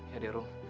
ya deh rom